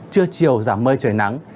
trưa chiều giảm mây trời nắng